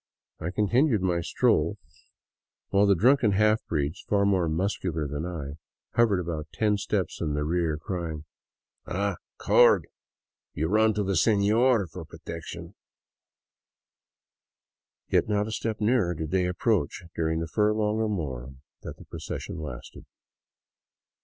I continued my stroll, while the drunken 153 VAGABONDING DOWN THE ANDES half breeds, far more muscular than I, hovered about ten steps in the rear, crying: *' Ah, coward ! You run to the sefior for protection !" Yet not a step nearer did they approach during the furlong or more that the procession lasted.